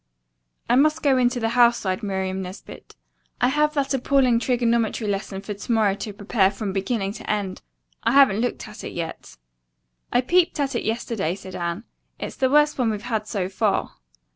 "I must go into the house," sighed Miriam Nesbit. "I have that appalling trigonometry lesson for to morrow to prepare from beginning to end. I haven't looked at it yet." "I peeped at it yesterday," said Anne. "It's the worst one we've had, so far."